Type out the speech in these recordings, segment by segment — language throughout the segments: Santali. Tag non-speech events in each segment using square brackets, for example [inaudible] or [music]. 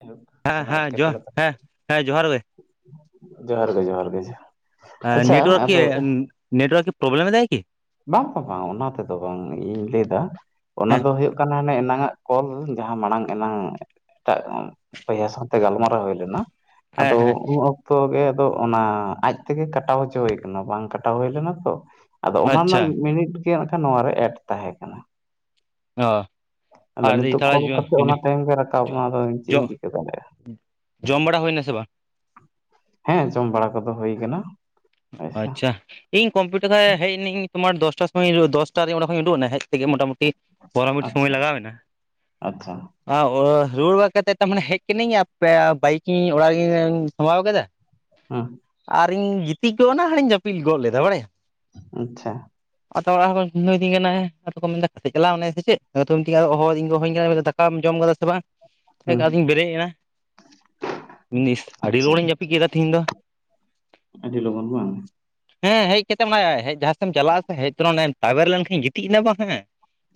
ᱡᱟᱭᱦᱳᱠ ᱦᱮᱸ ᱱᱟᱥᱮᱱᱟᱜ ᱦᱮᱸ ᱡᱚᱦᱟ ᱮᱴᱠᱮᱴᱚᱬᱮ ᱛᱟᱦᱮᱸ ᱦᱮᱸ ᱦᱮᱸ ᱡᱚᱦᱟᱨ ᱜᱮ᱾ ᱡᱚᱦᱟᱨ ᱜᱮ ᱡᱚᱦᱟᱨ ᱜᱮ ᱡᱚᱦᱟᱨ᱾ ᱦᱮᱸ ᱟᱪᱪᱷᱟ ᱱᱮᱴᱚᱣᱟᱨᱠ ᱠᱤ ᱟᱫᱚ ᱱᱮᱴᱳᱣᱟᱨᱠᱤ ᱯᱨᱚᱵᱞᱮᱢ ᱮᱫᱟᱭ ᱠᱤ? ᱵᱟᱝ ᱵᱟᱝ ᱵᱟᱝ ᱚᱱᱟ ᱛᱮᱫᱚ ᱵᱟᱝ ᱤᱧ ᱞᱟᱹᱭᱫᱟᱼᱼ ᱚᱱᱟ ᱦᱮᱸ ᱫᱚ ᱦᱩᱭᱩᱜ ᱠᱟᱱᱟ ᱟᱱᱮ ᱮᱱᱟᱝ-ᱟᱜ ᱠᱚᱞ ᱡᱟᱦᱟᱸ ᱢᱟᱲᱟᱝ ᱮᱱᱟᱝ ᱮᱴᱟᱜᱼᱼᱼ ᱵᱚᱭᱦᱟ ᱥᱟᱶᱛᱮ ᱜᱟᱞᱢᱟᱨᱟᱣ ᱦᱩᱭ ᱦᱮᱸ ᱟᱫᱚ ᱦᱮᱸ ᱩᱱ ᱚᱠᱛᱚᱼᱼ ᱛᱚ ᱜᱮ ᱟᱫᱚ ᱚᱱᱟ ᱟᱡ ᱛᱮᱜᱮ ᱠᱟᱴᱟᱣ ᱦᱚᱪᱚ ᱦᱩᱭ ᱠᱟᱱᱟ ᱵᱟᱝ ᱠᱟᱴᱟᱣ ᱦᱩᱭ ᱞᱮᱱᱟ ᱛᱚᱼᱼ ᱟᱫᱚ ᱚᱱᱟ ᱟᱪᱪᱷᱟ ᱨᱮᱱᱟᱜ ᱢᱤᱫ ᱢᱤᱱᱤᱴ ᱜᱮ ᱠᱷᱟᱱ ᱱᱚᱣᱟᱣ ᱨᱮ ᱮᱰ ᱛᱟᱦᱮᱸ ᱠᱟᱱᱟ᱾ ᱚ ᱟᱫᱚ ᱟᱨ ᱱᱤᱛᱳᱜ ᱛᱷᱚᱲᱟ ᱠᱚᱞ ᱠᱟᱛᱮ ᱚᱱᱟ ᱴᱟᱭᱤᱢ ᱜᱮ ᱨᱟᱠᱟᱵ ᱮᱱᱟ ᱟᱫᱚᱼᱼ ᱪᱮᱝ ᱡᱚ ᱤᱧ ᱪᱤᱠᱟᱹ ᱫᱟᱲᱮᱜ-ᱟ᱾ ᱡᱚᱢ ᱵᱟᱲᱟ ᱦᱩᱭᱱᱟ ᱥᱮ ᱵᱟᱝ ᱦᱮᱸ ᱡᱚᱢ ᱵᱟᱲᱟ ᱠᱚᱫᱚ ᱦᱩᱭ ᱟᱠᱟᱱᱟ᱾ ᱟᱪᱪᱷᱟ ᱤᱧ ᱠᱚᱢᱯᱤᱣᱩᱴᱟᱨ ᱠᱷᱚᱡ ᱦᱮᱡ ᱱᱟᱹᱧ ᱛᱳᱢᱟᱨ ᱫᱚᱥᱴᱟ ᱥᱚᱢᱚᱭ ᱫᱚᱥᱴᱟ ᱨᱮ ᱚᱰᱮ ᱠᱷᱚᱱᱤᱧ ᱩᱰᱩ ᱱᱟ ᱦᱮᱡ ᱛᱮᱜᱮ ᱢᱚᱴᱟᱢᱩᱴᱤᱼᱼᱼ ᱯᱚᱨ ᱢᱤᱱᱤᱴ ᱥᱚᱢᱚᱭ ᱟᱪᱪᱷᱟ ᱞᱟᱜᱟᱣᱮᱱᱟ᱾ ᱟᱪᱪᱷᱟ ᱚ ᱨᱩᱣᱟᱹᱲ ᱵᱟᱲᱟ ᱠᱟᱛᱮ ᱛᱟᱨ ᱢᱟᱱᱮ ᱦᱮᱡ ᱠᱟᱹᱱᱟᱹᱧ ᱟᱯᱮ ᱵᱟᱭᱤᱠᱤᱧ ᱚᱲᱟᱜ ᱨᱮᱧ ᱥᱟᱢᱵᱟᱣ ᱠᱟᱫᱟ᱾ ᱦᱮᱸ ᱟᱨᱤᱧ ᱜᱤᱛᱤᱡ ᱜᱚᱫ ᱱᱟ ᱦᱟᱨᱤᱧ ᱡᱟᱯᱤᱫ ᱜᱚᱫ ᱞᱮᱫᱟ ᱵᱟᱲᱟᱭᱟᱢ᱾ ᱟᱪᱪᱷᱟ ᱟᱛᱚ ᱚᱲᱟᱜ ᱦᱚᱲ ᱠᱚ ᱵᱱᱟᱹᱤᱧ ᱠᱟᱱᱟ ᱟᱫᱚ ᱠᱚ ᱢᱮᱱ ᱫᱟ ᱚᱠᱟ ᱛᱮ ᱪᱟᱞᱟᱣᱱᱟᱭ ᱥᱮ ᱪᱮᱫ ᱤᱧᱦᱟᱹᱧ ᱠᱟᱱᱟ ᱢᱮᱱ᱾ ᱫᱟᱠᱟᱢ ᱡᱚᱢ ᱠᱟᱫᱟ ᱥᱮ ᱵᱟᱝ? [inaudible] ᱯᱷᱮᱠ ᱟᱫᱩᱧ ᱵᱮᱨᱮᱫ ᱮᱱᱟ ᱤᱥ ᱟᱹᱰᱤ ᱟᱪᱪᱷᱟ ᱞᱚᱜᱚᱱᱤᱧ ᱡᱟᱹᱯᱤᱫ ᱠᱮᱫᱟ ᱛᱤᱦᱤᱧ ᱫᱚ᱾ ᱟᱹᱰᱤ ᱞᱚᱜᱚᱱ ᱵᱟᱝ᱾ ᱦᱮᱸ ᱦᱮᱡ ᱠᱟᱛᱮ ᱦᱮᱡ ᱡᱟᱦᱟᱸᱥᱮᱫ ᱮᱢ ᱪᱟᱞᱟᱜ ᱟᱥᱮ ᱦᱮᱡ ᱛᱚᱨᱟ ᱛᱟᱵᱮᱨ ᱞᱮᱱᱠᱷᱟᱱ ᱜᱤᱛᱤᱡ ᱮᱱᱟ ᱵᱟᱝ ᱦᱮᱸᱼᱼ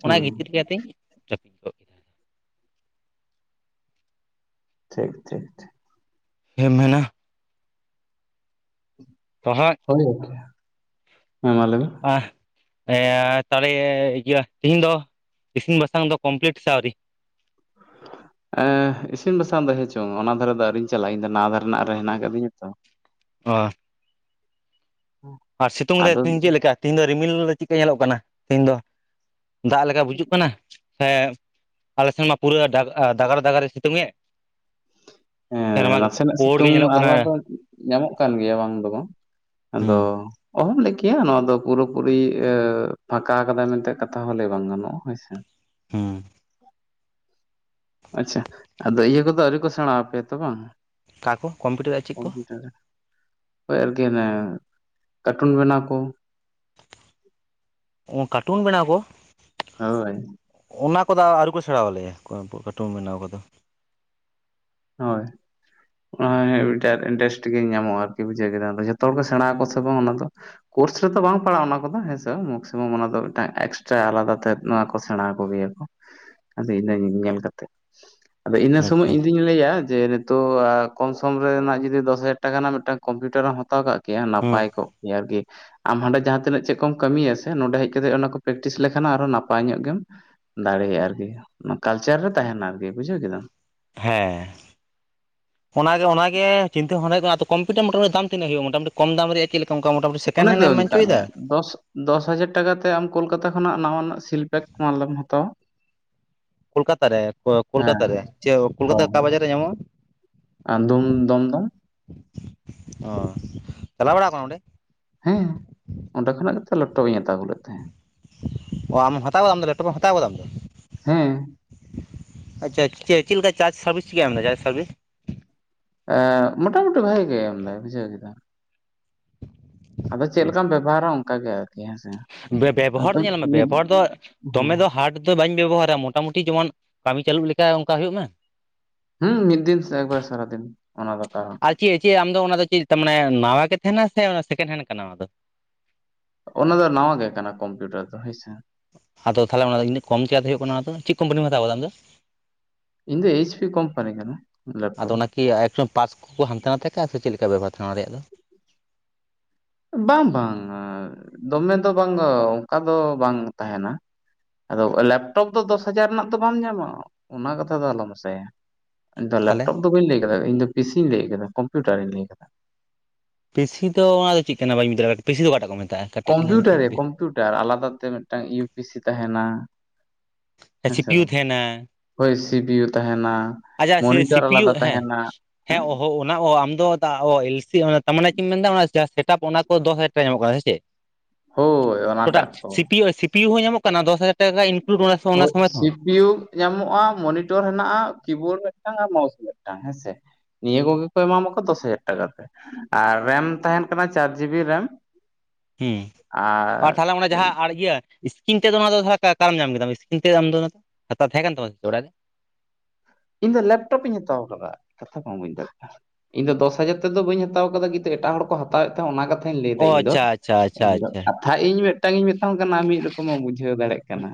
ᱚᱱᱟ ᱦᱩᱸ ᱜᱤᱛᱤᱡ ᱨᱮᱜᱮ ᱟᱫᱚᱧ ᱡᱟᱯᱤᱫ ᱜᱚᱫ ᱠᱮᱫᱟ᱾ ᱴᱷᱤᱠ ᱴᱷᱤᱠ ᱴᱷᱤᱠ ᱪᱮᱫ ᱮᱢ ᱢᱮᱱᱟ ᱛᱟᱸᱦᱟᱛ ᱦᱳᱭ ᱜᱚᱝᱠᱮ ᱦᱮᱸ ᱢᱟ ᱞᱟᱹᱭ ᱢᱮ᱾ ᱟ, ᱮᱻ ᱛᱟᱦᱚᱸᱞᱮ ᱤᱭᱟᱹ ᱛᱤᱦᱤᱧ ᱫᱚ᱾ ᱤᱥᱤᱱ ᱵᱟᱥᱟᱝ ᱫᱚ ᱠᱚᱢᱯᱞᱤᱴ ᱥᱮ ᱟᱹᱣᱨᱤ᱾ [inaudible] ᱮᱻ ᱤᱥᱤᱱ ᱵᱟᱥᱟᱝ ᱫᱚ ᱦᱮᱸᱪᱚᱝ ᱚᱱᱟ ᱫᱷᱟᱨᱮ ᱫᱚ ᱟᱹᱣᱨᱤᱧ ᱪᱟᱞᱟᱜ-ᱟ᱾ ᱤᱧ ᱫᱚ ᱱᱟᱣᱟ ᱫᱷᱟᱨᱮ ᱱᱟᱜ ᱦᱮᱱᱟᱜ ᱠᱟᱫᱤᱧᱟ ᱛᱚ᱾ ᱚ᱾ ᱟᱨ ᱥᱤᱛᱩᱝ ᱨᱮ ᱟᱫᱚ ᱛᱮᱦᱤᱧ ᱪᱮᱫ ᱞᱮᱠᱟ ᱛᱮᱦᱤᱧ ᱫᱚ ᱨᱤᱢᱤᱞ ᱫᱚ ᱪᱮᱫ ᱠᱟ ᱧᱮᱞᱚᱜ ᱠᱟᱱᱟ ᱛᱤᱦᱤᱧ ᱫᱚ᱾ ᱫᱟᱜ ᱞᱮᱠᱟ ᱵᱩᱡᱩᱜ ᱠᱟᱱᱟ᱾ ᱥᱮ ᱟᱞᱮ ᱥᱮᱱ ᱢᱟ ᱯᱩᱨᱟᱹ ᱫᱟᱜᱟᱲ ᱫᱟᱜᱟᱨᱮ ᱥᱤᱛᱩᱝ ᱮᱫ-ᱟ᱾ ᱦᱮᱸ ᱱᱟᱥᱮᱱᱟᱜ ᱯᱩᱲ ᱜᱮ ᱥᱤᱛᱩᱝ ᱧᱮᱞᱚᱜ ᱠᱟᱱᱟ ᱟᱦᱞᱟ ᱫᱚ ᱧᱟᱢᱚᱜ ᱠᱟᱱ ᱜᱮᱭᱟ ᱵᱟᱝ ᱫᱚ ᱵᱟᱝ᱾ ᱟᱫᱚ ᱦᱩᱸ ᱚᱦᱚᱢ ᱞᱟᱹᱭ ᱠᱮᱭᱟ ᱱᱚᱣᱟ ᱫᱚ ᱯᱩᱨᱟᱹ ᱯᱩᱨᱤ ᱮᱻ ᱯᱷᱟᱸᱠᱟ ᱠᱟᱫᱟᱭ ᱢᱮᱱᱛᱮ ᱠᱟᱛᱷᱟ ᱦᱚᱸ ᱞᱟᱹᱭ ᱵᱟᱝ ᱜᱟᱱᱚᱜ-ᱟ ᱦᱳᱭ ᱥᱮ᱾ ᱦᱩᱸ᱾ ᱟᱪᱪᱷᱟ, ᱟᱫᱚ ᱤᱭᱟᱹ ᱠᱚᱫᱚ ᱟᱹᱣᱨᱤ ᱠᱚ ᱥᱮᱬᱟ ᱟᱯᱮᱭᱟ ᱛᱚ ᱵᱟᱝ? ᱚᱠᱟ ᱠᱚ ᱠᱚᱢᱯᱤᱭᱩᱴᱟᱨ ᱟᱨ ᱪᱮᱫ ᱠᱚ ᱠᱚᱢᱯᱤᱭᱩᱴᱟᱨ᱾ ᱦᱳᱭ ᱟᱹᱨᱠᱤ ᱚᱱᱟᱻ ᱠᱟᱴᱩᱱ ᱵᱮᱱᱟᱣ ᱠᱚ? ᱚ ᱠᱟᱴᱩᱱ ᱵᱮᱱᱟᱣ ᱠᱚ? ᱦᱳᱭ᱾ ᱚᱱᱟ ᱠᱚᱫᱚ ᱟᱹᱣᱨᱤ ᱠᱚ ᱥᱮᱱᱟᱣ ᱟᱞᱮᱭᱟ, ᱠᱟᱴᱩᱢ ᱵᱮᱱᱟᱣ ᱠᱚᱫᱚ᱾ ᱦᱳᱭ᱾ ᱚᱱᱟ ᱢᱤᱫᱴᱮᱱ ᱤᱱᱴᱟᱨᱮᱥᱴ ᱜᱮ ᱧᱟᱢᱚᱜ-ᱟ ᱟᱹᱨᱠᱤ ᱵᱩᱡᱷᱟᱹᱣ ᱠᱮᱫᱟᱢ, ᱟᱫᱚ ᱡᱷᱚᱛᱚ ᱦᱚᱲ ᱠᱚ ᱥᱮᱲᱟ ᱟᱠᱚ ᱥᱮ ᱵᱟᱝ ᱚᱱᱟ ᱫᱚ᱾ ᱠᱳᱨᱥ ᱨᱮᱛᱚ ᱵᱟᱝ ᱯᱟᱲᱟᱜ-ᱟ ᱚᱱᱟ ᱠᱚᱫᱚ ᱦᱮᱸᱥᱮ ᱢᱮᱠᱥᱤᱢᱟᱢ ᱚᱱᱟ ᱫᱚ ᱢᱤᱫᱴᱟᱝ ᱮᱠᱥᱴᱨᱟ ᱟᱞᱟᱫᱟ ᱛᱮ ᱱᱚᱣᱟ ᱠᱚ ᱥᱮᱲᱟᱣᱟ ᱠᱚ ᱜᱮᱭᱟ ᱠᱚ᱾ ᱟᱫᱚ ᱤᱱᱟᱹ ᱧᱮᱞ ᱠᱟᱛᱮᱜ, ᱟᱫᱚ ᱤᱱᱟᱹ ᱥᱚᱢᱚᱭ ᱟᱪᱪᱷᱟ ᱤᱧ ᱞᱟᱹᱭᱟ ᱡᱮ ᱱᱤᱛᱚᱜ ᱠᱚᱢ ᱥᱚᱢ ᱨᱮᱱᱟᱜ ᱡᱩᱫᱤ ᱫᱚᱥ ᱦᱟᱡᱟᱨ ᱴᱟᱠᱟ ᱨᱮᱱᱟᱜ ᱢᱤᱫ ᱴᱟᱝ ᱠᱚᱢᱯᱤᱭᱩᱴᱟᱨᱮᱢ ᱦᱟᱛᱟᱣ ᱠᱟᱜ ᱠᱮᱭᱟ, ᱦᱩᱸ ᱱᱟᱯᱟᱭ ᱠᱚᱜ ᱜᱮ ᱟᱹᱨᱠᱤ᱾ ᱟᱢ ᱦᱟᱸᱰᱮ ᱡᱟᱦᱟᱸ ᱛᱤᱱᱟᱹᱜ ᱪᱮᱫ ᱠᱚᱢ ᱠᱟᱹᱢᱤᱭᱟ ᱥᱮ ᱱᱚᱸᱰᱮ ᱦᱮᱡ ᱠᱟᱛᱮᱜ ᱚᱱᱟ ᱠᱚ ᱯᱨᱮᱠᱴᱤᱥ ᱞᱮᱠᱷᱟᱱ ᱟᱨᱚ ᱱᱟᱯᱟᱭ ᱧᱚᱜ ᱜᱮᱢ ᱫᱟᱲᱮᱭᱟᱜ-ᱟ ᱟᱹᱨᱠᱤ᱾ ᱠᱟᱞᱪᱟᱨ ᱨᱮ ᱛᱟᱦᱮᱸᱱᱟ ᱟᱹᱨᱠᱤ ᱵᱩᱡᱷᱟᱹᱣ ᱠᱮᱫᱟᱢ᱾ ᱦᱮᱸ᱾ [inaudible] ᱚᱱᱟᱜᱮ ᱚᱱᱟᱜᱮ ᱪᱤᱱᱛᱟᱹ ᱵᱷᱟᱵᱚᱱᱟ ᱦᱩᱭᱩᱜ ᱠᱟᱱᱟ᱾ ᱟᱫᱚ ᱠᱚᱢᱯᱩᱴᱟᱨ ᱢᱚᱴᱟᱢᱩᱴᱤ ᱫᱟᱢ ᱛᱤᱱᱟᱹᱜ ᱦᱩᱭᱩᱜ-ᱟ ᱢᱚᱴᱟᱢᱩᱴᱤ ᱠᱚ ᱫᱟᱢ ᱨᱮᱭᱟᱜ ᱪᱮᱫ ᱞᱮᱠᱟ ᱚᱱᱠᱟ ᱢᱚᱴᱟᱢᱩᱴᱤ? ᱥᱮᱠᱮᱱᱰ ᱚᱱᱮ ᱦᱮᱱᱰ ᱛᱚ ᱮᱢ ᱢᱮᱱ ᱢᱮᱛᱟᱜ ᱦᱚᱪᱚᱭᱮᱫᱟ ᱢᱮᱭᱟ ᱫᱚᱥ ᱫᱚᱥ ᱦᱟᱡᱟᱨ ᱴᱟᱠᱟ ᱛᱮ ᱟᱢ ᱠᱳᱞᱠᱟᱛᱟ ᱠᱷᱚᱱᱟᱜ ᱱᱟᱣᱟᱱᱟᱜ ᱥᱤᱞ ᱯᱮᱠ ᱢᱟᱞᱮᱢ ᱦᱟᱛᱟᱣᱟ᱾ ᱠᱳᱞᱠᱟᱛᱟ ᱨᱮ ᱠᱳᱞᱠᱟᱛᱟ‌ ᱦᱮᱸ ᱨᱮ ᱪᱮᱫ ᱠᱳᱞᱠᱟᱛᱟ ᱚᱠᱟ ᱵᱟᱡᱟᱨ ᱨᱮ ᱧᱟᱢᱚᱜ-ᱟ? ᱟᱫᱚᱢ ᱫᱚᱢ ᱫᱚᱢ᱾ ᱚ, ᱪᱟᱞᱟᱣ ᱵᱟᱲᱟ ᱠᱟᱱᱟᱢ ᱚᱸᱰᱮ? ᱦᱮᱸ ᱚᱸᱰᱮ ᱠᱷᱚᱱᱟᱜ ᱜᱮᱛᱚ ᱞᱮᱯᱴᱚᱯ ᱤᱧ ᱦᱟᱛᱟᱣ ᱟᱹᱜᱩ ᱞᱮᱫ ᱛᱟᱦᱮᱸᱫ ᱚ ᱟᱢ ᱦᱟᱛᱟᱣ ᱠᱟᱫᱟᱢ ᱫᱚ ᱞᱮᱯᱴᱚᱯᱮᱢ ᱦᱟᱛᱟᱣ ᱠᱟᱫᱟᱢ ᱫᱚ? ᱦᱮᱸ ᱟᱪᱷᱟ ᱪᱮᱫ ᱪᱮᱫ ᱞᱮᱠᱟ ᱪᱟᱨᱡᱽ ᱥᱟᱨᱵᱷᱤᱥ ᱪᱤᱠᱟᱭ ᱮᱢᱫᱟ ᱪᱟᱨᱡᱽ ᱥᱟᱨᱵᱷᱤᱥ? ᱮᱸᱻ ᱢᱚᱴᱟᱢᱩᱴᱤ ᱵᱷᱟᱜᱮ ᱜᱮ ᱮᱢᱫᱟᱭ ᱵᱩᱡᱷᱟᱹᱣ ᱠᱮᱫᱟᱢ᱾ ᱟᱫᱚ ᱪᱮᱫ ᱞᱮᱠᱟᱢ ᱵᱮᱵᱚᱦᱟᱨᱟ ᱚᱱᱠᱟ ᱜᱮ ᱟᱹᱨᱠᱤ ᱦᱮᱸ ᱥᱮ? ᱵᱮᱵᱚᱦᱟᱨ ᱫᱚ ᱧᱮᱞ ᱢᱮ, ᱵᱮᱵᱚᱦᱟᱨ ᱫᱚ ᱦᱮᱸ ᱫᱚᱢᱮ ᱫᱚ ᱦᱟᱴ ᱫᱚ ᱵᱟᱹᱧ ᱵᱮᱵᱚᱦᱟᱨᱟ᱾ ᱢᱚᱴᱟᱢᱩᱴᱤ ᱡᱮᱢᱚᱱ ᱠᱟᱹᱢᱤ ᱪᱟᱹᱞᱩᱜ ᱞᱮᱠᱟ ᱚᱱᱠᱟ ᱦᱩᱭᱩᱜ ᱢᱟ᱾ ᱦᱩᱸ ᱢᱤᱫ ᱫᱤᱱ ᱥᱮ ᱮᱠᱵᱟᱨ ᱥᱟᱨᱟ ᱫᱤᱱ ᱚᱱᱟ ᱠᱚ ᱫᱚ ᱟᱨ ᱪᱮᱫ ᱪᱮᱫ ᱟᱢ ᱫᱚ ᱚᱱᱟ ᱫᱚ ᱪᱮᱫ ᱚᱱᱮ ᱱᱟᱣᱟ ᱜᱮ ᱛᱟᱦᱮᱸᱱᱟ ᱥᱮ ᱥᱮᱠᱮᱱᱰ ᱦᱮᱱᱰ ᱠᱟᱱᱟ ᱚᱱᱟ ᱫᱚ? ᱚᱱᱟ ᱫᱚ ᱱᱟᱣᱟ ᱜᱮ ᱠᱟᱱᱟ ᱠᱚᱢᱯᱤᱭᱩᱴᱟᱨ ᱫᱚ ᱦᱳᱭ ᱥᱮ᱾ ᱟᱫᱚ ᱛᱟᱦᱚᱸᱞᱮ ᱚᱱᱟ ᱤᱱᱟᱹᱜ ᱠᱚᱢ ᱪᱤᱠᱟᱛᱮ ᱦᱩᱭᱩᱜ ᱠᱟᱱᱟ ᱚᱱᱟᱫᱚ ᱪᱮᱫ ᱠᱚᱢᱯᱟᱱᱤᱢ ᱦᱟᱛᱟᱣ ᱠᱟᱫᱟ ᱟᱢ ᱫᱚ? ᱤᱧ ᱫᱚ ᱮᱭᱤᱪ ᱯᱤ ᱠᱚᱢᱯᱟᱱᱤ ᱠᱟᱱᱟ᱾ ᱞᱮᱯᱴᱚᱯ ᱟᱫᱚ ᱚᱱᱟᱠᱤ ᱮᱠᱴᱚᱢ ᱯᱟᱥ ᱠᱚ ᱦᱟᱱᱛᱮ ᱱᱟᱛᱮ ᱠᱟᱜ-ᱟ ᱥᱮ ᱪᱮᱫ ᱞᱮᱠᱟ ᱵᱮᱵᱚᱦᱟᱨ ᱛᱟᱦᱮᱸᱱᱟ ᱚᱱᱟ ᱨᱮᱭᱟᱜ ᱫᱚ? ᱵᱟᱝ ᱵᱟᱝ, ᱟᱻ ᱫᱚᱢᱮ ᱫᱚ ᱵᱟᱝ ᱚᱱᱠᱟ ᱫᱚ ᱵᱟᱝ ᱛᱟᱦᱮᱱᱟ᱾ ᱟᱫᱚ ᱞᱮᱯᱴᱚᱯ ᱫᱚ ᱫᱚᱥ ᱦᱟᱡᱟᱨ ᱨᱮᱱᱟᱜ ᱫᱚ ᱵᱟᱢ ᱧᱟᱢᱟ, ᱚᱱᱟ ᱠᱟᱛᱷᱟ ᱫᱚ ᱟᱞᱚᱢ ᱟᱥᱟᱭᱟ᱾ ᱤᱧ ᱫᱚ ᱛᱟᱦᱚᱞᱮ ᱞᱮᱯᱴᱚᱯ ᱫᱚ ᱵᱟᱹᱧ ᱞᱟᱹᱭ ᱠᱟᱫᱟ, ᱤᱧ ᱫᱚ ᱯᱤ ᱥᱤ ᱤᱧ ᱞᱟᱹᱭ ᱠᱟᱫᱟ, ᱠᱚᱢᱯᱤᱭᱩᱴᱟᱨ ᱤᱧ ᱞᱟᱹᱭ ᱠᱟᱫᱟ᱾ ᱯᱤ ᱥᱤ ᱫᱚ ᱚᱱᱟᱫᱚ ᱪᱮᱫ ᱠᱟᱱᱟ? ᱵᱟᱹᱧ ᱵᱩᱡᱷᱟᱹᱣ ᱫᱟᱲᱮᱭᱟᱜ ᱠᱟᱱᱟ ᱯᱤ ᱥᱤ ᱫᱚ ᱚᱠᱟᱴᱟᱜ ᱠᱚ ᱢᱮᱛᱟᱜᱼᱟ? ᱠᱟᱹᱴᱤᱡ ᱞᱟᱹᱭ ᱠᱚᱢᱯᱤᱭᱩᱴᱟᱨ ᱮ ᱢᱮᱥᱮ ᱠᱚᱢᱯᱤᱭᱩᱴᱟᱨ, ᱟᱞᱟᱫᱟ ᱛᱮ ᱢᱤᱫ ᱴᱟᱝ ᱤᱭᱩ ᱯᱤ ᱥᱤ ᱛᱟᱦᱮᱱᱟ, ᱦᱮᱸ ᱥᱤ ᱥᱮ ᱯᱤ ᱭᱩ ᱵᱟᱝ ᱛᱟᱦᱮᱱᱟ, ᱦᱳᱭ ᱥᱤᱯᱤᱭᱩ ᱛᱟᱦᱮᱱᱟ ᱟᱪᱷᱟ ᱥᱮ ᱥᱤ ᱢᱚᱱᱤᱴᱟᱨ ᱯᱤ ᱭᱩ ᱟᱞᱟᱫᱟ ᱦᱮᱸ, ᱛᱟᱦᱮᱱᱟ ᱦᱮᱸ ᱚᱦ ᱚᱱᱟ ᱚᱦᱚ ᱟᱢ ᱫᱚ ᱚ ᱮᱞ ᱥᱤ ᱛᱟ ᱢᱟᱱᱮ ᱪᱮᱫ ᱮᱧ ᱢᱮᱱᱫᱟ ᱚᱱᱟ ᱥᱮᱴᱟᱯ ᱚᱱᱟ ᱠᱚ, ᱫᱚᱥ ᱦᱟᱡᱟᱨ ᱴᱟᱠᱟ ᱧᱟᱢᱚᱜ ᱠᱟᱱᱟ ᱥᱮ ᱪᱮᱫ? ᱦᱳᱭ ᱴᱚᱴᱟᱞ ᱚᱱᱟᱴᱟᱜ C P U C P U ᱦᱚᱸ ᱧᱟᱢᱚᱜ ᱠᱟᱱᱟ, ᱫᱚᱥ ᱦᱟᱡᱟᱨ ᱴᱟᱠᱟ ᱤᱱᱠᱞᱩᱰ ᱚᱱᱟ ᱚᱸ ᱥᱚᱢᱮᱛ ᱥᱤ ᱦᱚᱸ ᱵᱤᱭᱳᱜᱽ ᱧᱟᱢᱚᱜᱼᱟ ᱢᱚᱱᱤᱴᱚᱨ ᱦᱮᱱᱟᱜᱼᱟ᱾ ᱠᱤᱵᱳᱨᱰ ᱢᱤᱫᱴᱟᱝ ᱟᱨ ᱢᱟᱣᱥ ᱢᱤᱫᱴᱟᱝ ᱦᱮᱸᱥᱮᱫᱟ? ᱱᱤᱭᱟᱹ ᱠᱚᱜᱮ ᱠᱚ ᱮᱢᱟ ᱢᱟᱠᱚ ᱫᱚᱥ ᱦᱟᱡᱟᱨ ᱴᱟᱠᱟ ᱛᱮ, ᱟᱨ ᱨᱮᱢ ᱛᱟᱦᱮᱱ ᱠᱟᱱᱟ ᱪᱟᱨ ᱡᱤ ᱵᱤ ᱨᱮᱢ, ᱦᱮᱸ, ᱟᱨ ᱛᱟᱦᱞᱮ ᱚᱱᱟᱮ ᱡᱟᱦᱟᱸ ᱟᱨ ᱤᱭᱟᱹ ᱥᱠᱨᱤᱱ ᱛᱮᱫ ᱚᱱᱟ ᱫᱚᱦᱟ ᱛᱟᱦᱟᱮ ᱟᱠᱟ ᱟᱠᱟ ᱨᱮ ᱧᱟᱢ ᱠᱮᱫᱟᱢ? ᱥᱠᱨᱤᱱ ᱛᱮᱫ ᱫᱚ ᱟᱢᱚᱫ ᱚᱱᱟ ᱫᱚ ᱦᱟᱛᱟᱣ ᱛᱟᱦᱮᱸ ᱠᱟᱱ ᱛᱟᱢᱟ ᱥᱮ ᱪᱚᱲᱟᱜ ᱨᱮ? ᱤᱧ ᱫᱚ ᱞᱮᱯᱴᱚᱯ ᱤᱧ ᱦᱟᱛᱟᱣ ᱠᱟᱫᱟ, ᱠᱟᱛᱷᱟ ᱵᱟᱢ ᱵᱩᱧ ᱫᱟᱲᱮᱜ ᱠᱟᱱᱟ ᱾ ᱤᱧ ᱫᱚ ᱫᱚᱥ ᱦᱟᱡᱟᱨ ᱛᱮᱫ ᱵᱟᱹᱧ ᱦᱟᱛᱟᱣ ᱠᱟᱫᱟ, ᱠᱤᱱᱛᱩ ᱮᱴᱟᱜ ᱦᱚᱲ ᱠᱚ ᱦᱟᱛᱟᱣ ᱮᱫ ᱛᱟᱦᱮᱸ, ᱚᱱᱟ ᱠᱟᱛᱷᱟᱧ ᱞᱟᱹᱭ ᱮᱫᱟ ᱚ ᱤᱧ ᱫᱚ᱾ ᱟᱪᱪᱷᱟ ᱟᱪᱪᱷᱟ ᱟᱪᱪᱷᱟ ᱤᱧ ᱫᱚ ᱟᱪᱪᱷᱟ ᱠᱟᱛᱷᱟ ᱤᱧ ᱢᱮᱫ ᱴᱟᱝ ᱤᱧ ᱢᱮᱛᱟᱢ ᱠᱟᱱᱟ ᱟᱢ ᱢᱤᱫ ᱨᱚᱠᱚᱢᱮᱢ ᱵᱩᱡᱷᱟᱹᱣ ᱫᱟᱲᱮᱜ ᱠᱟᱱᱟ᱾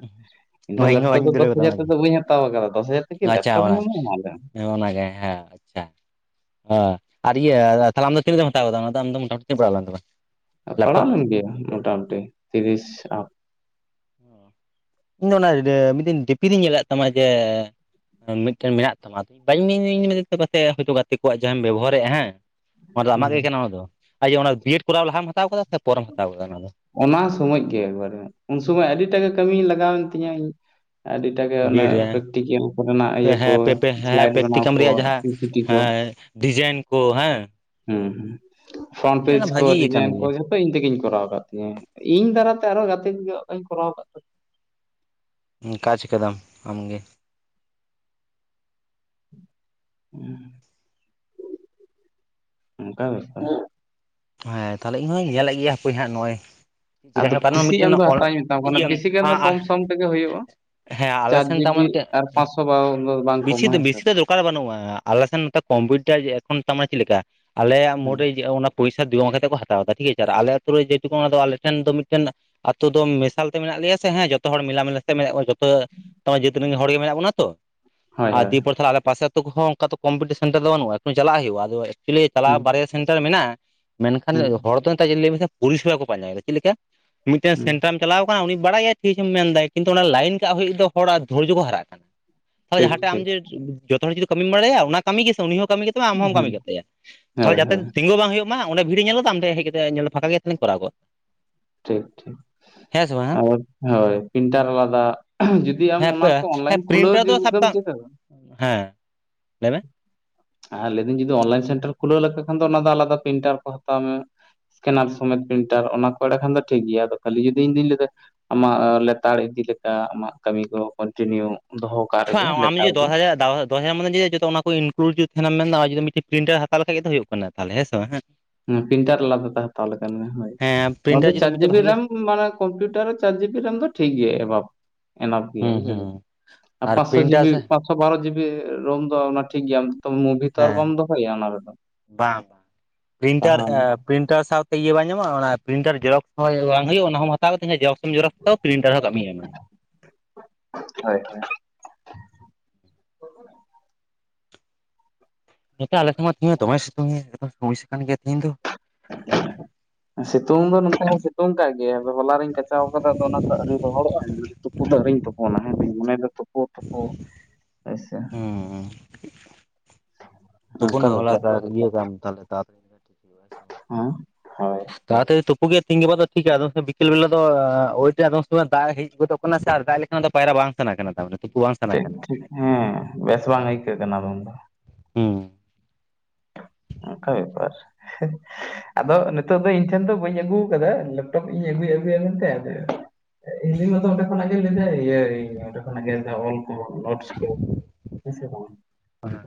ᱮᱧ ᱫᱚ ᱤᱧ ᱦᱚᱸ ᱞᱮᱯᱴᱚᱯ ᱵᱟᱹᱧ ᱫᱚ ᱫᱩᱞᱟᱹᱣ ᱫᱚᱥ ᱠᱟᱫᱟ ᱦᱟᱡᱟᱨ ᱚᱱᱟᱜᱮ ᱛᱮᱫᱚ ᱵᱟᱹᱧ ᱦᱟᱛᱟᱣ ᱟᱠᱟᱫᱟ। ᱫᱚᱥ ᱦᱟᱡᱟᱨ ᱼᱼ ᱟᱪᱪᱷᱟ, ᱚᱱᱟ ᱚᱱᱟ ᱜᱮ, ᱦᱮᱸ, ᱟᱪᱪᱷᱟ। ᱦᱮ ᱟᱨ ᱤᱭᱟᱹ, ᱛᱟᱦᱚᱞᱮ ᱟᱢ ᱫᱚ ᱛᱤᱱᱟᱹᱜ ᱛᱮᱢ ᱦᱟᱛᱟᱣ ᱠᱟᱫᱟ ᱚᱱᱟ ᱫᱚ? ᱟᱢ ᱫᱚ ᱢᱚᱴᱟᱢᱩᱴᱤ ᱛᱤᱱᱟᱹᱜ ᱯᱟᱲᱟᱣ ᱞᱮᱱ ᱛᱟᱢᱟ? ᱯᱟᱲᱟᱣ ᱞᱮᱯᱴᱚᱯ ᱞᱮᱱ ᱜᱮᱭᱟ, ᱢᱚᱴᱟᱢᱩᱴᱤ ᱛᱤᱨᱤᱥ ᱟᱯ, ᱤᱧ ᱫᱚ ᱚᱱᱟ [unintelligible] ᱢᱤᱫ ᱫᱤᱱ ᱰᱤᱯᱤ ᱨᱤᱧ ᱧᱮᱞᱮᱫ ᱛᱟᱢᱟ। ᱡᱮ ᱼᱼ ᱢᱤᱫᱴᱮᱱ ᱢᱮᱱᱟᱜ ᱛᱟᱢᱟ। ᱟᱫᱚ ᱵᱟᱹᱧ ᱢᱮᱱ [unintelligible] ᱯᱟᱥᱮ ᱦᱳᱭᱛᱳ ᱜᱟᱛᱮ ᱠᱚᱣᱟᱜ ᱡᱟᱦᱟᱸᱢ ᱵᱮᱵᱚᱦᱟᱨᱮᱜᱼᱟ ᱦᱮᱸ। ᱚᱱᱟ ᱫᱚ ᱟᱢᱟᱜ ᱜᱮ ᱠᱟᱱᱟ ᱚᱱᱟ ᱫᱚ? ᱟᱨ ᱡᱮ ᱵᱤᱭᱮᱰ ᱠᱚᱨᱟᱣ ᱞᱟᱦᱟᱢ ᱦᱟᱛᱟᱣ ᱠᱟᱫᱟ ᱥᱮ, ᱯᱚᱨᱮᱢ ᱦᱟᱛᱟᱣ ᱠᱟᱫᱟ ᱚᱱᱟ ᱫᱚ? ᱚᱱᱟ ᱥᱚᱢᱚᱭ ᱜᱮ ᱮᱠᱵᱟᱨᱮ, ᱩᱱ ᱥᱚᱢᱚᱭ ᱟᱹᱰᱤᱴᱟᱜ ᱜᱮ ᱠᱟᱹᱢᱤ ᱞᱟᱜᱟᱣᱮᱱ ᱛᱤᱧᱟᱹ ᱤᱧᱟᱹᱜ ᱾ ᱟᱹᱰᱤᱴᱟᱜ ᱜᱮ ᱚᱱᱟ ᱵᱤᱭᱮᱰ ᱨᱮ ᱯᱨᱮᱠᱴᱤᱠᱮᱞ ᱠᱚᱨᱮᱱᱟᱜ ᱤᱭᱟᱹ ᱠᱚ ᱦᱮᱸ ᱯᱮ ᱯᱮ ᱦᱮᱸ ᱥᱮᱞᱟᱭᱤᱰ ᱵᱮᱱᱟᱣ ᱯᱨᱮᱠᱴᱤᱠᱟᱢ ᱠᱚ ᱨᱮᱭᱟᱜ ᱡᱟᱦᱟᱸ ᱯᱤ ᱯᱤ ᱴᱤ ᱠᱚ। ᱦᱮᱸ ᱰᱤᱡᱟᱭᱤᱱ ᱠᱚ ᱦᱮᱸ। ᱦᱩᱸ ᱦᱩᱸ। ᱯᱷᱨᱚᱱᱴ ᱯᱮᱡᱽ ᱢᱤᱫᱴᱮᱱ ᱠᱚ ᱵᱷᱟᱜᱤ ᱠᱟᱱ ᱰᱤᱡᱟᱭᱤᱱ ᱠᱚ ᱜᱮᱭᱟ ᱡᱷ ᱦᱚ ᱤᱧ ᱛᱮᱜᱤᱧ ᱠᱚᱨᱟᱣ ᱟᱠᱟᱫ ᱛᱤᱧᱟᱹ। ᱤᱧ ᱫᱟᱨᱟᱛᱮ ᱟᱨᱚ ᱜᱟᱛᱮ [unintelligible] ᱠᱚᱨᱟᱣ ᱟᱠᱟᱫ ᱛᱟᱠᱚᱣᱟ ᱾ ᱦᱩᱸ ᱠᱟᱪ ᱠᱟᱫᱟᱢ ᱟᱢᱜᱮ। ᱦᱮᱸ, ᱚᱱᱠᱟ ᱵᱮᱯᱟᱨᱚ᱾ ᱦᱮᱸ ᱛᱟᱦᱟᱞᱮ ᱤᱧᱦᱚᱧ ᱧᱮᱞᱮᱫ ᱜᱮᱭᱟ ᱦᱟᱯᱟᱹᱭ ᱦᱟᱸᱜ, ᱱᱚᱜᱼᱚᱭ ᱼᱼ ᱟᱫᱚ ᱯᱤᱥᱤ ᱟᱢ ᱫᱚ ᱦᱟᱛᱟᱣᱤᱧ ᱢᱮᱛᱟᱢ ᱠᱟᱱᱟ, ᱤᱭᱟᱹ ᱯᱤᱥᱤ ᱠᱷᱟᱱ ᱫᱚ ᱠᱚᱢ ᱥᱚᱢ ᱛᱮᱜᱮ ᱦᱳᱭᱳᱜᱼᱟ। ᱦᱮᱸ ᱪᱟᱨ ᱡᱤ ᱵᱤ, ᱟᱨ ᱯᱟᱸᱪᱥᱚ ᱵᱟᱨ ᱼᱼ ᱵᱤᱥᱤ ᱫᱚ ᱵᱤᱥᱤ ᱫᱚ ᱫᱚᱨᱠᱟᱨ ᱵᱟᱹᱱᱩᱜᱼᱟ। ᱟᱞᱮᱥᱮᱱ ᱱᱚᱛᱮ ᱠᱚᱢᱯᱤᱭᱩᱴᱟᱨ ᱮᱠᱷᱚᱱ ᱛᱟᱢᱟ ᱪᱮᱫ ᱞᱮᱠᱟ? ᱟᱞᱮᱭᱟᱜ ᱵᱟᱝ ᱢᱳᱲᱨᱮ ᱤᱭᱟᱹᱜᱼᱟ ᱚᱱᱟ ᱼᱼ ᱯᱚᱭᱥᱟ [unintelligible] ᱠᱟᱛᱮ ᱠᱚ ᱦᱟᱛᱟᱣ ᱮᱫᱟ ᱴᱷᱤᱠ ᱟᱪᱷᱮ, ᱟᱨ ᱟᱞᱮ ᱟᱛᱩ ᱨᱮ ᱡᱮ ᱴᱩᱠᱩ, ᱚᱱᱟ ᱫᱚ ᱟᱞᱮ ᱴᱷᱮᱱ ᱫᱚ ᱢᱤᱫᱴᱮᱱ ᱼᱼ ᱟᱛᱳ ᱫᱚ ᱢᱮᱥᱟᱞ ᱛᱮ ᱢᱮᱱᱟᱜ ᱞᱮᱭᱟ ᱥᱮ ᱦᱮᱸ, ᱡᱚᱛᱚ ᱦᱚᱲ ᱢᱮᱞᱟ ᱢᱮᱞᱟ ᱛᱮ ᱢᱮᱱᱟᱜ ᱠᱚᱣᱟ, ᱡᱚᱛᱚ ᱼᱼ ᱛᱚ ᱡᱟᱹᱛ ᱨᱮᱱ ᱜᱮ ᱦᱚᱲ ᱜᱮ ᱢᱮᱱᱟᱜ ᱵᱚᱱᱟ ᱛᱚ᱾ ᱦᱳᱭ ᱟᱨ ᱦᱳᱭ ᱫᱤᱭᱮ ᱯᱚᱨ ᱛᱟᱦᱟᱞᱮ ᱟᱞᱮ ᱯᱟᱥᱮ ᱟᱛᱳ ᱠᱚᱦᱚᱸ ᱚᱱᱠᱟ ᱫᱚ ᱠᱚᱯᱴᱤᱥᱮᱱ ᱥᱮᱱᱴᱟᱨ ᱫᱚ ᱵᱟᱹᱱᱩᱜᱼᱟ। ᱮᱠᱴᱩ ᱪᱟᱞᱟᱜ ᱦᱩᱭᱩᱜᱼᱟ ᱟᱫᱚ, ᱮᱠᱪᱩᱭᱤ ᱦᱩᱸ ᱪᱟᱞᱟᱜᱼᱟ ᱵᱟᱨᱭᱟ ᱼᱼ ᱥᱮᱱᱴᱟᱨ ᱢᱮᱱᱟᱜᱼᱟ, ᱢᱮᱱᱠᱷᱟᱱ ᱦᱩᱸ ᱦᱚᱲ ᱫᱚ ᱱᱮᱛᱟᱨ ᱪᱮᱫ ᱞᱟᱹᱭ ᱢᱮᱥᱮ ᱯᱚᱨᱤᱥᱮᱵᱟ ᱠᱚ ᱯᱟᱸᱡᱟᱭᱫᱟ। ᱪᱮᱫ ᱞᱮᱠᱟ ᱼᱼ ᱢᱤᱫᱴᱮᱱ ᱦᱩᱸ ᱥᱮᱱᱴᱟᱨᱟᱢ ᱪᱟᱞᱟᱣ ᱟᱠᱟᱱᱟ, ᱩᱱᱤ ᱵᱟᱲᱟᱭᱟᱭ ᱴᱷᱤᱠᱮᱢ ᱢᱮᱱᱫᱟᱭ। ᱠᱤᱱᱛᱩ ᱚᱱᱟ ᱞᱟᱭᱤᱱ ᱠᱟᱜ ᱦᱩᱭᱩᱜ ᱫᱚ, ᱦᱚᱲᱟᱜ ᱫᱷᱳᱨᱡᱚ ᱠᱚ ᱦᱟᱨᱟᱜ ᱠᱟᱱᱟ। ᱛᱟᱦᱟᱞᱮ ᱴᱷᱤᱠ ᱡᱟᱦᱟᱸ ᱴᱟᱜ ᱟᱢᱮ ᱴᱷᱤᱠ ᱡᱚᱛᱚ ᱦᱚᱲ ᱡᱩᱫᱤ ᱠᱟᱹᱢᱤᱢ ᱵᱟᱲᱟᱭᱟ, ᱚᱱᱟ ᱠᱟᱹᱢᱤ ᱜᱮ ᱥᱮ, ᱩᱱᱤ ᱦᱚᱸ ᱠᱟᱹᱢᱤ ᱜᱮ, ᱛᱟᱭᱟ ᱟᱢ ᱦᱚᱢ ᱠᱟᱹᱢᱤ ᱦᱩᱸ ᱠᱮᱫ ᱛᱮᱭᱟ, ᱛᱟᱦᱚᱞᱮ ᱦᱳᱭ ᱡᱟᱛᱮ ᱦᱳᱭ ᱛᱤᱸᱜᱩ ᱵᱟᱝ ᱦᱳᱭᱳᱜ ᱼᱼ ᱢᱟ ᱚᱸᱰᱮ ᱵᱷᱤᱲ ᱮ ᱧᱮᱞ ᱛᱮ ᱟᱢ ᱴᱷᱮᱡ ᱦᱮᱡ ᱠᱟᱛᱮ ᱮ ᱧᱮᱞᱟ ᱯᱷᱟᱸᱠᱟ ᱜᱮᱭᱟ [unintelligible] ᱠᱚᱨᱟᱣ ᱠᱚᱣᱟ᱾ ᱴᱷᱤᱠ ᱴᱷᱤᱠ᱾ ᱦᱮᱸ ᱥᱮ ᱵᱟᱝ ᱟᱨ ᱦᱳᱭ ᱯᱨᱤᱱᱴᱟᱨ ᱟᱞᱟᱫᱟ, ᱡᱩᱫᱤ ᱟᱢ ᱚᱱᱟ ᱠᱚ ᱚᱱᱞᱟᱭᱤᱱ ᱠᱷᱩᱞᱟᱹᱣ ᱛᱮ ᱟᱫᱚ ᱥᱟᱯ ᱡᱩᱫᱤᱢ ᱠᱟᱜ, ᱪᱮᱫᱟ ᱦᱮᱸ, ᱞᱮᱭ ᱢᱮ᱾ ᱟ ᱞᱮᱭᱫᱟᱹᱧ ᱡᱩᱫᱤ ᱚᱱᱞᱟᱭᱤᱱ ᱥᱮᱱᱴᱟᱨ ᱠᱷᱩᱞᱟᱹᱣ ᱞᱮᱠᱟ ᱠᱷᱟᱱ ᱫᱚ ᱚᱱᱟ ᱫᱚ ᱟᱞᱟᱫᱟ ᱯᱨᱤᱱᱴᱟᱨ ᱠᱚ ᱦᱟᱛᱟᱣ ᱢᱮ᱾ ᱠᱮᱱᱟᱨ ᱥᱚᱢᱮᱛ ᱯᱨᱤᱱᱴᱟᱨ ᱚᱱᱟ ᱠᱚ ᱮᱸᱰᱮ ᱠᱷᱟᱱ ᱫᱚ ᱴᱷᱤᱠ ᱜᱮᱭᱟ, ᱟᱫᱚ ᱠᱷᱟᱹᱞᱤ ᱡᱩᱫᱤ ᱤᱧ ᱫᱩᱧ ᱞᱮᱭᱫᱟ ᱟᱢᱟᱜ ᱞᱮᱛᱟᱲ ᱤᱫᱤ ᱞᱮᱠᱟ, ᱟᱢᱟᱜ ᱠᱟᱹᱢᱤ ᱠᱚ ᱠᱚᱱᱴᱤᱱᱤᱭᱩ ᱫᱚᱦᱚ ᱠᱟᱜ ᱨᱮᱜᱮ [unintelligible] ᱟᱢ ᱞᱮᱛᱟᱲ ᱡᱩᱫᱤ ᱫᱚᱥ ᱜᱮ ᱦᱟᱡᱟᱨ [unintelligible] ᱫᱚᱥ ᱦᱟᱡᱟᱨ [unintelligible] ᱡᱚᱛᱚ ᱚᱱᱟ ᱠᱚ ᱤᱱᱠᱞᱩᱰ ᱡᱩᱫᱤ ᱛᱟᱦᱮᱱᱟᱢ ᱢᱮᱱᱫᱟ ᱚᱱᱟ ᱡᱩᱫᱤ ᱢᱤᱫᱴᱤᱡ ᱯᱨᱤᱱᱴᱟᱨ ᱦᱟᱛᱟᱣ ᱞᱮᱷᱟᱡ ᱜᱮ ᱛᱚ ᱦᱩᱭᱩᱜ ᱠᱟᱱᱟ ᱛᱟᱦᱞᱮ, ᱦᱮᱸᱥᱮ ᱵᱟᱝ? ᱦᱮᱸ, ᱯᱤᱱᱴᱟᱨ ᱟᱠᱟᱫᱟ ᱛᱮ ᱦᱟᱛᱟᱣ ᱞᱮᱠᱷᱟᱱ ᱜᱮ ᱦᱳᱭ, ᱦᱮᱸ ᱱᱚᱣᱟ ᱫᱚ ᱯᱨᱤᱱᱴᱟᱨ ᱡᱩᱫᱤ ᱪᱟᱨ ᱡᱤ ᱢᱤᱫᱴᱮᱡ ᱵᱤ ᱵᱷᱟᱜᱮ ᱨᱮᱢ ᱢᱟᱱᱮ ᱠᱚᱢᱯᱤᱭᱩᱴᱟᱨ ᱨᱮ ᱪᱟᱨ ᱡᱤᱵᱤ ᱨᱮᱢ ᱫᱚ ᱴᱷᱤᱠ ᱜᱮᱭᱟ ᱮᱰᱷᱟᱵ᱾ ᱮᱱᱟᱯᱷ ᱜᱮᱭᱟ ᱦᱩᱸ ᱵᱩᱡᱷᱟᱹᱣ ᱦᱩᱸ ᱟᱨ ᱯᱟᱸᱥᱥᱚ ᱯᱨᱤᱱᱴᱟᱨ ᱡᱤᱵᱤ ᱥᱮ ᱯᱟᱸᱥ ᱥᱚ ᱵᱟᱨᱚ ᱡᱤᱵᱤ ᱨᱳᱢ ᱫᱚ ᱚᱱᱟ ᱴᱷᱤᱠ ᱜᱮᱭᱟ, ᱟᱢ ᱛᱚ ᱢᱩᱵᱷᱤ ᱛᱚ ᱟᱨ ᱦᱮᱸ ᱵᱟᱢ ᱫᱚᱦᱚᱭᱟ ᱚᱱᱟ ᱨᱮᱫᱚ᱾ ᱵᱟᱝ, ᱯᱨᱤᱱᱴᱟᱨ ᱮ ᱛᱟᱦᱚᱞᱮ ᱯᱨᱤᱱᱴᱟᱨ ᱥᱟᱶ ᱤᱭᱟᱹ ᱵᱟᱝ ᱧᱟᱢᱚᱜᱼᱟ? ᱚᱱᱟ ᱯᱨᱤᱱᱴᱟᱨ ᱡᱮᱨᱚᱠᱥ ᱦᱚᱸ ᱵᱟᱝ ᱦᱩᱭᱩᱜᱼᱟ, ᱚᱱᱟ ᱦᱚᱸᱢ ᱦᱟᱛᱟᱣ ᱠᱟᱛᱮ ᱦᱮᱸ ᱡᱮᱨᱚᱠᱥ ᱦᱚᱢ ᱡᱮᱨᱚᱠᱥ ᱛᱟᱣ, ᱯᱨᱤᱱᱴᱟᱨ ᱦᱚᱸ ᱠᱟᱹᱢᱤ ᱮᱢᱟᱭ᱾ ᱦᱳᱭ ᱦᱳᱭ᱾ ᱱᱚᱛᱮ ᱟᱞᱮ ᱥᱮᱱ ᱢᱟ ᱛᱮᱦᱮᱧ ᱫᱚᱢᱮ ᱥᱤᱛᱩᱝᱭᱟ [inaudible] ᱥᱚᱢᱚᱥᱥᱟ ᱠᱟᱱ ᱜᱮᱭᱟ ᱛᱤᱦᱤᱧ ᱫᱚ᱾ [inaudible] ᱥᱤᱛᱩᱝ ᱫᱚ ᱱᱚᱱᱛᱮ ᱦᱚᱸᱭ ᱥᱤᱛᱩᱝ ᱠᱟᱜ ᱜᱮᱭᱟ, ᱟᱫᱚ ᱦᱚᱞᱟ ᱨᱤᱧ ᱠᱟᱪᱟᱣ ᱠᱟᱫᱟ ᱟᱫᱚ ᱚᱱᱟ ᱛᱚ ᱟᱹᱣᱨᱤ ᱨᱚᱦᱚᱲᱚᱜᱼᱟ᱾ ᱛᱩᱯᱩ ᱫᱚ ᱟᱹᱣᱨᱤᱧ ᱛᱩᱯᱩᱱᱟ ᱦᱮᱸ ᱫᱩᱧ ᱢᱚᱱᱮᱭ ᱫᱟ ᱛᱩᱯ ᱯᱳ ᱛᱳᱯᱳ ᱦᱳᱭ ᱥᱮ᱾ ᱦᱩᱸ [unintelligible] ᱦᱮᱸ? ᱦᱳᱭ᱾ ᱛᱟᱲᱟᱛᱟᱲᱤ ᱛᱩᱯᱩ ᱜᱮ ᱛᱤᱦᱤᱧ ᱜᱟᱯᱟ ᱫᱚ ᱴᱷᱤᱠᱟ ᱟᱫᱚᱢ ᱥᱚᱢᱚᱭ ᱵᱤᱠᱮᱞ ᱵᱮᱞᱟ ᱫᱚ [unintelligible] ᱟᱫᱚᱢ ᱥᱚᱢᱚᱭ ᱫᱟᱜ ᱦᱮᱡ ᱜᱚᱫᱚᱜ ᱚᱱᱟ ᱥᱮ ᱟᱨ ᱫᱟᱜ ᱞᱮᱠᱷᱟᱱ ᱫᱚ ᱯᱟᱭᱨᱟ ᱵᱟᱝ ᱥᱟᱱᱟ ᱠᱟᱱᱟ [unintelligible] ᱴᱷᱤᱠ ᱠᱟᱱᱟ ᱴᱷᱤᱠ ᱦᱮᱸ ᱵᱮᱥ ᱵᱟᱝ ᱟᱹᱭᱠᱟᱹᱜ ᱠᱟᱱᱟ ᱟᱫᱚ ᱩᱱᱫᱚ᱾ ᱦᱩᱸ᱾ ᱚᱱᱠᱟ ᱵᱮᱯᱟᱨ᱾ ᱟᱫᱚ ᱱᱤᱛᱚᱜ ᱫᱚ ᱤᱧ ᱴᱷᱮᱱ ᱫᱚ ᱵᱟᱹᱧ ᱟᱹᱜᱩ ᱟᱠᱟᱫᱟ ᱞᱮᱯᱴᱚᱯ ᱤᱧ ᱟᱹᱜᱩᱭᱟ ᱟᱹᱜᱩᱭᱟ ᱢᱮᱱᱛᱮ ᱟᱫᱚ [unintelligible] ᱠᱷᱚᱱᱟᱜ ᱜᱮ ᱞᱮᱭᱫᱟ ᱤᱭᱟᱹ ᱚᱸᱰᱮ ᱠᱷᱚᱱᱟᱜ ᱜᱮ ᱞᱮᱭᱫᱟ ᱚᱞ ᱠᱚ ᱱᱳᱴᱥ ᱠᱚ, ᱦᱮ ᱥᱮ ᱵᱟᱝ?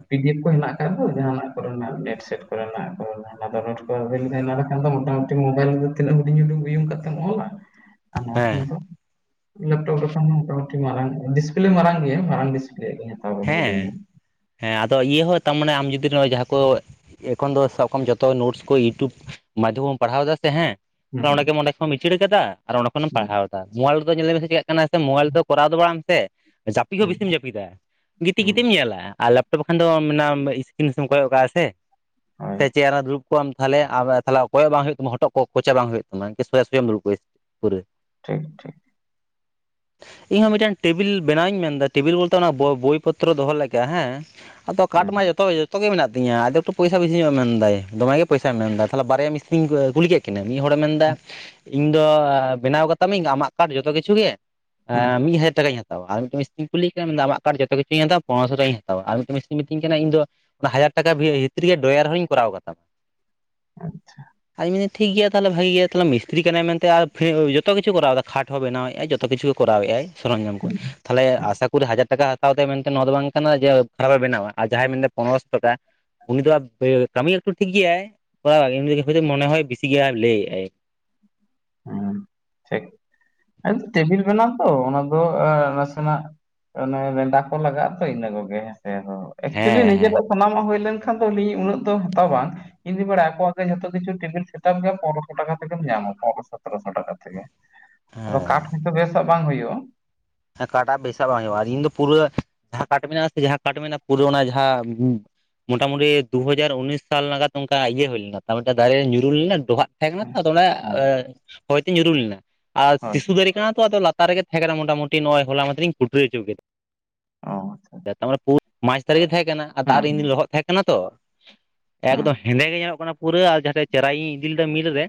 ᱯᱤ ᱰᱤ ᱮᱯᱷ ᱠᱚ ᱦᱮᱱᱟᱜ ᱟᱠᱟᱫ ᱫᱚ ᱡᱟᱦᱟᱱᱟᱜ ᱠᱚᱨᱮᱱᱟᱜ ᱱᱮᱴ ᱥᱮᱴ ᱠᱚᱨᱮᱱᱟᱜ ᱠᱚ ᱚᱱᱟᱫᱚ ᱱᱳᱴ ᱠᱚ [unintelligible] ᱱᱚᱰᱮ ᱠᱷᱟᱱ ᱫᱚ ᱢᱚᱴᱟ ᱴᱤ ᱢᱳᱵᱟᱭᱤᱞ ᱨᱮᱫᱚ ᱛᱤᱱᱟᱹᱜ ᱦᱩᱰᱤᱧ ᱦᱩᱰᱤᱧ ᱩᱭᱩᱝ ᱠᱟᱛᱮᱢ ᱚᱞᱟ, ᱟᱨ ᱱᱚᱣᱟ ᱦᱮᱸ ᱠᱷᱟᱱ ᱫᱚ ᱞᱮᱯᱴᱚᱯ ᱨᱮᱠᱷᱟᱱ ᱫᱚ ᱢᱚᱴᱟᱢᱩᱴᱤ ᱢᱟᱨᱟᱝ ᱰᱤᱥᱯᱞᱮ ᱢᱟᱨᱟᱝ ᱜᱮᱭᱟ ᱢᱟᱨᱟᱝ ᱰᱤᱥᱯᱞᱮ ᱭᱟᱜ ᱜᱤᱧ ᱦᱟ ᱦᱮᱸ᱾ ᱦᱮᱸ ᱟᱫᱚ ᱤᱭᱟᱹ ᱦᱚᱸ ᱛᱟᱢ ᱢᱟᱱᱮ ᱟᱢ ᱡᱩᱫᱤ ᱱᱚᱜ-ᱚᱭ ᱡᱟᱦᱟᱸ ᱠᱚ ᱮᱠᱷᱚᱱ ᱫᱚ ᱥᱟᱵ ᱠᱟᱜ-ᱟᱢ ᱡᱚᱛᱚ ᱱᱳᱴᱥ ᱠᱚ ᱤᱭᱩᱴᱩᱵᱽ ᱢᱟᱫᱽᱫᱷᱚᱢ ᱵᱚᱱ ᱯᱟᱲᱦᱟᱣ ᱮᱫᱟ ᱥᱮ ᱦᱮᱸ, ᱦᱩᱸ [inaudible] ᱚᱸᱰᱮ ᱜᱮᱢ ᱚᱸᱰᱮ ᱠᱷᱚᱱ ᱤᱥᱤᱲ ᱟᱠᱟᱫᱟ ᱟᱨ ᱚᱸᱰᱮ ᱠᱷᱚᱱᱮᱢ ᱦᱩᱸ ᱯᱟᱲᱦᱟᱣ ᱫᱟ, [unintelligible] ᱨᱮᱫᱚ ᱧᱮᱞᱮ ᱢᱮᱥᱮ ᱪᱮᱠᱟᱜ ᱠᱟᱱᱟ ᱥᱮ ᱢᱳᱵᱟᱭᱤᱞ ᱛᱮ ᱠᱚᱨᱟᱣ ᱫᱚ ᱵᱟᱝ ᱥᱮ ᱡᱟᱹᱯᱤᱫ ᱦᱚᱸ ᱦᱩᱸ ᱦᱩᱸ ᱵᱤᱥᱤᱢ ᱡᱟᱹᱯᱤᱫᱟ᱾ ᱜᱤᱛᱤᱡ ᱦᱩᱸ ᱜᱤᱛᱤᱡ ᱮᱢ ᱧᱮᱞᱟ ᱟᱨ ᱞᱮᱯᱴᱚᱯ ᱠᱷᱟᱱ ᱫᱚ ᱢᱮᱱᱟᱢ ᱤᱥᱠᱤᱱ ᱥᱮᱫ ᱮᱢ ᱠᱚᱭᱚᱜ ᱠᱟᱜᱼᱟ ᱥᱮ, ᱦᱳᱭ ᱥᱮ ᱪᱮᱫ ᱚᱱᱟ ᱫᱩᱲᱩᱵ ᱠᱚ ᱟᱢ ᱛᱷᱟᱞᱮ ᱟᱢᱮ ᱛᱷᱟᱞᱮ ᱠᱚᱭᱚᱜ ᱵᱟᱝ ᱦᱩᱭᱩᱜ ᱛᱟᱢᱟ ᱦᱚᱴᱚᱜ ᱠᱚᱪᱮ ᱵᱟᱝ ᱦᱩᱭᱩᱜ ᱛᱟᱢᱟ ᱠᱮ ᱥᱳᱡᱟ ᱥᱳᱡᱟᱢ ᱫᱩᱲᱩᱵ ᱠᱚᱜᱼᱟ ᱯᱩᱨᱟᱹ᱾ ᱴᱷᱤᱠ ᱴᱷᱤᱠ᱾ ᱤᱧ ᱦᱚᱸ ᱢᱤᱫᱴᱮᱱ ᱴᱮᱵᱤᱞ ᱵᱮᱱᱟᱣᱤᱧ ᱢᱮᱱᱫᱟ ᱴᱮᱵᱤᱞ ᱵᱚᱞᱛᱮ ᱚᱱᱟ ᱵᱚ ᱵᱳᱭ ᱯᱚᱛᱨᱚ ᱫᱚᱦᱚ ᱞᱮᱠᱟ ᱦᱮᱸ ᱟᱫᱚ ᱠᱟᱴ ᱦᱩᱸ ᱢᱟ ᱡᱚᱛᱚ ᱛᱚ ᱜᱮ ᱢᱮᱱᱟᱜ ᱛᱤᱧᱟᱹ ᱟᱫᱚ ᱛᱳ ᱯᱚᱭᱥᱟ ᱵᱤᱥᱤ ᱧᱚᱜ ᱮᱢ ᱢᱮᱱ ᱫᱟᱭ ᱫᱚᱢᱮ ᱜᱮ ᱯᱚᱭᱥᱟᱭ ᱢᱮᱱ ᱮᱫᱟ ᱛᱟᱦᱞᱮ ᱵᱟᱨᱭᱟ ᱢᱤᱥᱛᱨᱤᱧ ᱠᱩᱞᱤ ᱠᱮᱫ ᱠᱤᱱᱟ ᱢᱤᱫ ᱦᱚᱲ ᱢᱮᱱ ᱮᱫᱟ ᱤᱧ ᱫᱚ ᱵᱮᱱᱟᱣ ᱠᱟᱛᱟᱢᱟᱹᱧ ᱟᱢᱟᱜ ᱠᱟᱴ ᱡᱚᱛᱚ ᱠᱤᱪᱷᱩ ᱜᱮ ᱦᱩᱸ ᱮᱸ ᱢᱤᱫ ᱦᱟᱡᱟᱨ ᱴᱟᱠᱟᱧ ᱦᱟᱛᱟᱣᱟ ᱟᱨ ᱢᱤᱫᱴᱮᱱ ᱢᱤᱥᱛᱨᱤᱧ ᱠᱩᱞᱤᱭᱮ ᱠᱟᱱᱟ ᱢᱮᱱᱫᱟ ᱟᱢᱟᱜ ᱠᱟᱴ ᱡᱚᱛᱚ ᱠᱤᱪᱩ ᱦᱟᱛᱟᱣᱟ ᱯᱚᱱᱮᱨᱚᱥᱳ ᱴᱟᱠᱟᱧ ᱦᱟ ᱛᱟᱣᱟ ᱟᱨ ᱢᱤᱫᱴᱮᱱ ᱢᱤᱥᱛᱨᱤᱧ ᱢᱤᱛᱟᱹᱧ ᱠᱟᱱᱟ ᱤᱧ ᱫᱚ ᱚᱱᱟ ᱦᱟᱡᱟᱨ ᱴᱟᱠᱟ ᱵᱷᱤᱛᱤᱨ ᱨᱮ ᱰᱚᱭᱟᱨ ᱦᱚᱸᱧ ᱠᱚᱨᱟᱣ ᱠᱟᱛᱟᱢᱟ᱾ ᱟᱪᱪᱷᱟ᱾ ᱟᱫᱚᱧ ᱢᱮᱱᱫᱟᱹᱧ ᱴᱷᱤᱠ ᱜᱮᱭᱟ ᱛᱟᱦᱚᱞᱮ ᱵᱷᱟᱜᱮ ᱜᱮᱭᱟ ᱛᱟᱦᱞᱮ ᱢᱤᱥᱛᱨᱤ ᱠᱟᱱᱟᱭ ᱢᱮᱱᱛᱮ ᱟᱨ ᱡᱚᱛ ᱠᱤᱪᱷᱩ ᱠᱚᱨᱟᱣᱫᱟ ᱠᱷᱟᱴ ᱦᱚᱸ ᱵᱮᱱᱟᱣ ᱮᱫ ᱟᱭ ᱡᱚᱛᱚ ᱠᱤᱪᱷᱩ ᱠᱚᱨᱟᱣᱮᱫᱟᱭ ᱥᱚᱨᱚᱧᱡᱟᱢ ᱠᱚ, ᱛᱟᱦᱚᱞᱮ ᱦᱩᱸ ᱟᱥᱟ ᱠᱚᱨᱤ ᱦᱟᱡᱟᱨ ᱴᱟᱠᱟ ᱦᱟᱛᱟᱣ ᱫᱟᱜ ᱢᱮᱱᱛᱮ ᱱᱚᱣᱟ ᱫᱚ ᱵᱟᱝ ᱠᱟᱱᱟ ᱡᱮ ᱠᱷᱟᱨᱟᱵ ᱮ ᱵᱮᱱᱟᱣᱟ ᱟᱨ ᱡᱟᱦᱟᱸᱭ ᱢᱮᱱᱫᱟ ᱯᱚᱱᱮᱨᱚᱥᱚ ᱴᱟᱠᱟ ᱩᱱᱤ ᱫᱚ ᱠᱟᱹᱢᱤ ᱮᱠᱴᱩ ᱴᱷᱤᱠ ᱜᱮᱭᱟᱭ ᱠᱚᱨᱟᱣᱟᱭ ᱩᱱᱤ ᱢᱚᱱᱮ ᱦᱚᱭ ᱵᱤᱥᱤ ᱜᱮᱭᱟ ᱦᱟᱸᱜ ᱞᱟᱹᱭ ᱟᱭ᱾ ᱴᱷᱤᱠ, ᱴᱮᱵᱤᱞ ᱵᱮᱱᱟᱣ ᱛᱚ ᱚᱱᱟ ᱫᱚ ᱱᱟᱥᱮᱱᱟᱜ ᱚᱱᱮ ᱨᱮᱰᱟ ᱠᱚ ᱞᱟᱜᱟᱜ-ᱟ ᱛᱚ ᱤᱱᱟᱹ ᱠᱚᱜᱮ ᱦᱮᱸᱥᱮ ᱟᱫᱚ ᱮᱠᱪᱩᱭᱮᱞᱤ ᱦᱮᱸ ᱦᱮᱸ ᱱᱤᱡᱮᱨᱟᱜ ᱥᱟᱱᱟᱢᱟᱜ ᱦᱩᱭ ᱞᱮᱱᱠᱷᱟᱱ ᱫᱚ ᱟᱹᱞᱤᱧ ᱩᱱᱟᱹᱜ ᱫᱚ ᱦᱟᱛᱟᱣ ᱵᱟᱝ, ᱤᱧ ᱫᱚᱧ ᱵᱟᱰᱟᱭᱟ ᱟᱠᱚᱟᱜ ᱜᱮ ᱡᱷᱚᱛᱚ ᱠᱤᱪᱷᱩ ᱴᱮᱵᱤᱞ ᱥᱮᱴᱟᱯ ᱜᱮ ᱯᱚᱱᱮᱨᱚᱥᱚ ᱴᱟᱠᱟ ᱛᱮᱜᱮᱢ ᱧᱟᱢᱟ ᱯᱚᱱᱨᱚᱥᱚ᱾ ᱯᱚᱱᱨᱚᱥᱚ ᱴᱟᱠᱟ ᱛᱮᱜᱮ ᱟᱫᱚ ᱦᱮᱸ ᱠᱟᱴ ᱦᱚᱭᱛᱚ ᱵᱮᱥᱟᱜ ᱵᱟᱝ ᱦᱩᱭᱩᱜᱼᱟ᱾ ᱦᱮᱸ ᱠᱟᱴᱟᱜ ᱵᱮᱥᱟᱜ ᱵᱟᱝ ᱦᱩᱭᱩᱜ-ᱟ᱾ ᱤᱧ ᱫᱚ ᱯᱩᱨᱟᱹ ᱡᱟᱦᱟᱸ ᱠᱟᱴ ᱢᱮᱱᱟᱜ-ᱟ ᱥᱮ ᱡᱟᱦᱟᱸ ᱠᱟᱴ ᱢᱮᱱᱟᱜ-ᱟ ᱯᱩᱨᱟᱹ ᱚᱱᱟ ᱡᱟᱦᱟᱸ ᱢᱚᱴᱟᱢᱩᱴᱤ ᱫᱩᱦᱟᱡᱟᱨ ᱩᱱᱤᱥ ᱥᱟᱞ ᱱᱟᱜᱟᱛ ᱚᱱᱠᱟ ᱤᱭᱟᱹ ᱦᱩᱭ ᱞᱮᱱᱟ ᱛᱟᱯᱚᱨ ᱢᱤᱫᱴᱮᱱ ᱫᱟᱨᱮ ᱨᱮ ᱧᱩᱨᱩ ᱞᱮᱱᱟ ᱰᱚᱵᱷᱟᱜ ᱛᱟᱦᱮᱸ ᱠᱟᱱᱟ ᱦᱮᱸ ᱛᱚ ᱟᱫᱚ ᱚᱱᱮ ᱦᱳᱭ ᱦᱚᱭᱛᱮ ᱧᱩᱨᱩ ᱞᱮᱱᱟ ᱟᱨ ᱦᱳᱭ ᱥᱤᱥᱩ ᱫᱟᱨᱮ ᱠᱟᱱᱟ ᱛᱚ ᱟᱫᱚ ᱞᱟ ᱛᱟᱨ ᱨᱮᱜᱮ ᱛᱟᱦᱮᱸ ᱠᱟᱱᱟ ᱢᱳᱴᱟᱢᱩᱴᱤ ᱱᱚᱜ-ᱚᱭ ᱦᱚᱞᱟ ᱢᱟᱷᱫᱮᱨ ᱤᱧ ᱠᱩᱴᱩᱨᱟ. ᱦᱚᱪᱳ ᱠᱮᱫᱟ᱾ ᱚ ᱟᱪᱪᱷᱟ ᱢᱟᱸᱪ ᱫᱟᱨᱮ ᱛᱟᱦᱮᱸ ᱠᱟᱱᱟ ᱟᱨ ᱫᱟᱜ ᱦᱩᱸ ᱨᱤᱧ ᱞᱚᱦᱚᱫ ᱛᱟᱦᱮᱸ ᱠᱟᱱᱟ ᱛᱚ ᱦᱩᱸ ᱮᱠᱫᱚᱢ ᱦᱮᱸᱫᱮ ᱜᱮ ᱧᱮᱞᱚᱜ ᱠᱟᱱᱟ ᱯᱩᱨᱟᱹ ᱟᱨ ᱡᱟᱦᱟᱸᱛᱮ ᱪᱮᱨᱟᱭᱤᱧ ᱤᱫᱤ ᱞᱮᱫᱟ ᱢᱤᱞ ᱨᱮ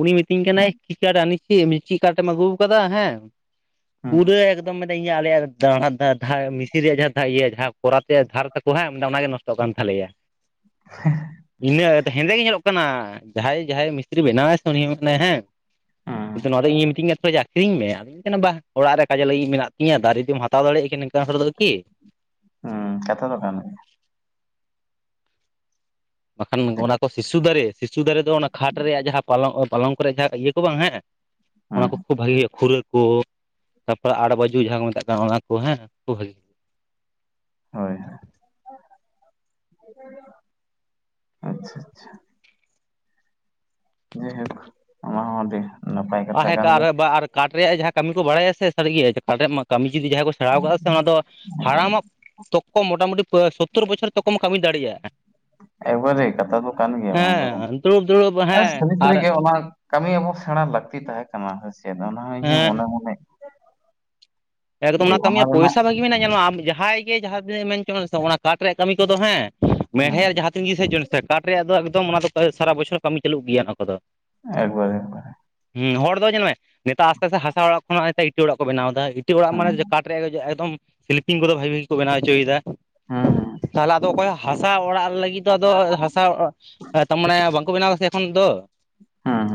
ᱩᱱᱤ ᱢᱤᱛᱟᱹᱧ ᱠᱟᱱᱟᱭ ᱠᱮᱫ ᱠᱤ ᱠᱟᱴ ᱟᱱᱮᱪᱷᱤ ᱢᱮᱱ ᱪᱮᱫ ᱠᱟᱴ ᱮᱢ ᱟᱹᱜᱩ ᱟᱠᱟᱫᱟ ᱦᱮᱸ, ᱦᱩᱸ ᱯᱩᱨᱟᱹ ᱮᱠᱫᱚᱢ ᱢᱮᱱᱮᱫ ᱤᱧᱟᱹᱜ ᱟᱞᱮᱭᱟᱜ ᱢᱤᱥᱤᱱ ᱨᱮᱭᱟᱜ ᱡᱟᱦᱟᱸ ᱤᱭᱟᱹ ᱡᱟᱦᱟᱸ ᱠᱚᱨᱟᱛ ᱨᱮᱭᱟᱜ ᱫᱷᱟᱨ ᱛᱟᱠᱚ ᱦᱮᱸ ᱢᱮᱱᱫᱟ ᱚᱱᱟᱜ ᱜᱮ ᱱᱚᱥ ᱴᱚᱜ ᱠᱟᱱ ᱛᱟᱞᱮᱭᱟ, ᱤᱱᱟᱹ ᱦᱮᱸᱫᱮ ᱜᱮᱧ ᱧᱮᱞᱚᱜ ᱠᱟᱱᱟ ᱡᱟᱦᱟᱸᱭ ᱡᱟᱦᱟᱸᱭ ᱢᱤᱥᱛᱨᱤ ᱵᱮᱱᱟᱣ-ᱟᱭ ᱥᱮ ᱩᱱᱤ ᱜᱮ ᱢᱟᱱᱟᱭ ᱦᱮᱸ ᱡᱮᱦᱮᱛᱩ ᱦᱩᱸ ᱱᱚᱣᱟ ᱫᱚ ᱤᱧᱮᱭ ᱢᱤᱛᱟᱹᱧ ᱠᱟᱱ ᱛᱟᱦᱮᱫ ᱟᱹᱠᱷᱨᱤᱧ ᱢᱮ ᱟᱫᱚᱧ ᱢᱮ ᱠᱟᱱᱟ ᱵᱟ ᱚᱲᱟᱜ ᱨᱮ ᱠᱟᱡᱮ ᱞᱟᱹᱜᱤᱫ ᱢᱮᱱᱟᱜ ᱛᱤᱧᱟ ᱫᱟᱨᱮ ᱡᱩᱫᱤᱢ ᱦᱟᱛᱟᱣ ᱫᱟᱲᱮᱭᱟᱜ ᱠᱟᱱ ᱠᱤᱱᱝᱠᱟᱱ ᱦᱚᱲ ᱫᱚ ᱠᱤ᱾ ᱦᱩᱸ ᱠᱟᱛᱷᱟ ᱛᱚ ᱠᱟᱱᱜᱮᱭᱟ᱾ ᱵᱟᱠᱷᱟᱱ ᱚᱱᱟ ᱠᱚ ᱥᱤᱥᱩ ᱫᱟᱨᱮ ᱥᱤᱥᱩ ᱫᱟᱨᱮ ᱫᱚ ᱚᱱᱟ ᱠᱷᱟᱴ ᱨᱮᱭᱟᱜ ᱡᱟᱦᱟᱸ ᱯᱟᱞᱚᱝ ᱯᱟᱞᱚᱝᱠᱚ ᱠᱚ ᱨᱮᱭᱟᱜ ᱡᱟᱦᱟᱸ ᱤᱭᱟᱹ ᱠᱚ ᱵᱟᱝ ᱦᱮᱸ, ᱚᱱᱟ ᱦᱩᱸ ᱠᱚ ᱠᱷᱩᱵ ᱵᱷᱟᱜᱮ ᱦᱩᱭᱩᱜᱟ ᱠᱷᱩᱨᱟᱹ ᱠᱚ, ᱛᱟᱨᱯᱚᱨᱮ ᱟᱴ ᱵᱟᱡᱩ ᱡᱟᱦᱟᱸ ᱠᱚ ᱢᱮᱛᱟᱜ ᱠᱟᱱᱟ ᱚᱱᱟ ᱠᱚ ᱦᱮᱸ ᱠᱷᱩᱵ ᱵᱷᱟᱹᱜᱤ ᱦᱩᱭᱩᱜ-ᱟ᱾ ᱦᱳᱭ ᱦᱳᱭ, ᱟᱪᱪᱷᱟ ᱟᱪᱪᱷᱟ᱾ ᱡᱮᱭᱦᱳᱠ ᱚᱱᱟᱦᱚᱸ ᱟᱹᱰᱤ ᱱᱟᱯᱟᱭ ᱠᱟᱛᱷᱟ ᱠᱟᱱ ᱛᱟᱦᱮᱸᱠᱟᱱ ᱜᱮᱭᱟ ᱨᱮ ᱵᱟ ᱟᱨ ᱠᱟᱴᱷ ᱨᱮᱭᱟᱜ ᱡᱟᱦᱟᱸ ᱠᱟᱹᱢᱤ ᱠᱚ ᱵᱟᱲᱟᱭᱟ ᱥᱮ ᱥᱟᱹᱨᱤᱜᱮ ᱠᱟᱴ ᱨᱮᱭᱟᱜ ᱢᱟ ᱠᱟᱹᱢᱤ ᱡᱩᱫᱤ ᱡᱟᱦᱟᱸᱭ ᱠᱚ ᱥᱮᱬᱟᱣ ᱟᱠᱟᱫᱟ ᱥᱮ ᱚᱱᱟ ᱫᱚ ᱮᱠᱵᱟᱨᱮ ᱦᱟᱲᱟᱢᱟᱜ ᱛᱚᱠᱠᱚ ᱢᱚᱴᱟᱢᱩᱴᱤ ᱥᱳᱛᱛᱳᱚᱨ ᱵᱚᱪᱷᱚᱨ ᱛᱚᱠᱚᱢ ᱠᱟᱹᱢᱤ ᱫᱟᱲᱮᱭᱟᱜ-ᱟ᱾ ᱮᱠᱵᱟᱨᱮ ᱠᱟᱛᱷᱟ ᱫᱚ ᱠᱟᱱ ᱜᱮᱭᱟ ᱵᱟᱝ ᱫᱚ ᱵᱟᱝ ᱦᱮᱸ ᱫᱩᱲᱩᱵ ᱫᱩᱲᱩᱵ ᱟᱨ ᱦᱮᱸ ᱥᱟᱹᱨᱤ ᱟᱨ ᱥᱟᱹᱨᱤᱜᱮ ᱚᱱᱟ ᱠᱟᱹᱢᱤ ᱟᱵᱚ ᱥᱮᱬᱟ ᱞᱟᱹᱠᱛᱤ ᱛᱟᱦᱮᱸ ᱠᱟᱱᱟ ᱦᱳᱭᱥᱮ ᱚᱱᱟ ᱤᱧᱦᱚᱧ ᱢᱚᱱᱮ ᱦᱮᱸ ᱢᱚᱱᱮ ᱮᱠᱫᱚᱢ ᱡᱮ ᱚᱱᱟ ᱠᱟᱹᱢᱤᱭᱟᱜ ᱨᱮᱱᱟᱜ ᱯᱚᱭᱥᱟ ᱵᱷᱟᱹᱜᱤ ᱢᱮᱱᱟᱜ-ᱟ ᱧᱮᱞᱢᱮ ᱟᱢ ᱡᱟᱦᱟᱸᱭ ᱜᱮ ᱡᱟᱦᱟᱸ ᱛᱤᱱᱟᱹᱜ ᱢᱮᱱᱪᱚ ᱥᱮ ᱚᱱᱟ ᱠᱟᱴ ᱨᱮᱭᱟᱜ ᱠᱟᱹᱢᱤ ᱠᱚᱫᱚ ᱦᱮᱸ, ᱦᱮᱸ ᱢᱮᱬᱦᱮᱫ ᱡᱟᱦᱟᱸ ᱛᱤᱱ ᱜᱮ ᱦᱮᱡ ᱪᱚᱱ ᱥᱮ ᱠᱟᱴ ᱨᱮᱭᱟᱜ ᱫᱚ ᱮᱠᱫᱚᱢ ᱚᱱᱟ ᱫᱚ ᱥᱟᱨᱟ ᱵᱚᱪᱷᱚᱨ ᱠᱟᱹᱢᱤ ᱪᱟᱹᱞᱩᱜ ᱜᱮᱭᱟ ᱚᱱᱟ ᱠᱚᱫᱚ᱾ ᱮᱠᱵᱟᱨᱮ, ᱮᱠᱵᱟᱨᱮ ᱦᱩᱸ ᱦᱚᱲ ᱫᱚ ᱧᱮᱞᱢᱮ ᱱᱮᱛᱟᱜ ᱟᱥᱛᱮ ᱟᱥᱛᱮ ᱦᱟᱥᱟ ᱚᱲᱟᱜ ᱠᱷᱚᱱᱟᱜ ᱤᱴᱟᱹ ᱚᱲᱟᱜ ᱠᱚ ᱵᱮᱱᱟᱣ ᱮᱫᱟ, ᱤᱴᱟ. ᱚᱲᱟᱜ ᱦᱮᱸ ᱢᱟᱱᱮ ᱦᱩᱸ ᱡᱮ ᱠᱟᱴ ᱮᱠᱫᱚᱢ ᱥᱤᱞᱯᱤᱧ ᱠᱚᱫᱚ ᱵᱷᱟᱹᱜᱤ ᱵᱷᱟᱜᱤ ᱠᱚ ᱵᱮᱱᱟᱣ ᱦᱚᱪᱚᱭᱮᱫᱟ, ᱦᱩᱸ ᱛᱟᱦᱚᱞᱮ ᱟᱫᱚ ᱚᱠᱚᱭᱟᱜ ᱦᱟᱥᱟ ᱚᱲᱟᱜ ᱞᱟᱹᱜᱤᱫ ᱫᱚ ᱟᱫᱚ ᱦᱟᱥᱟ ᱛᱟᱨ ᱢᱟᱱᱮ ᱵᱟᱝᱠᱚ ᱵᱮᱱᱟᱣᱫᱟ ᱥᱮ ᱮᱠᱷᱚᱱ ᱫᱚ, ᱦᱩᱸ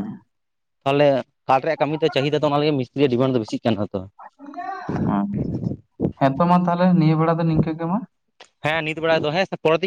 ᱛᱟᱦᱚᱞᱮ ᱠᱟᱴ ᱨᱮᱭᱟᱜ ᱠᱟᱹᱢᱤ ᱫᱚ ᱪᱟᱹᱦᱤᱫᱟ ᱫᱚ ᱚᱱᱟ ᱞᱟᱹᱜᱤᱫ ᱢᱤᱥᱛᱤᱨᱤᱭ ᱰᱤᱢᱟᱱᱰ ᱫᱚ ᱵᱮᱥᱤᱜ ᱠᱟᱱᱟ ᱛᱚ᱾ ᱦᱩᱸ, ᱦᱮᱸᱛᱚ ᱢᱟ ᱛᱟᱦᱞᱮ ᱱᱤᱭᱟᱹ ᱵᱮᱲᱟ ᱫᱚ ᱱᱤᱝᱠᱟᱹ ᱜᱮ ᱢᱟ᱾ ᱦᱮᱸ ᱱᱤᱛ ᱵᱮᱲᱟ ᱫᱚ ᱦᱮᱸ ᱯᱚᱨᱮᱛᱤᱧᱼᱼ